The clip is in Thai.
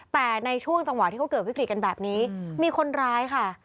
แต่ในช่วงจังหวะที่เขาเกิดวิกฤตกันแบบนี้มีคนร้ายค่ะ